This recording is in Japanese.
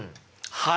はい。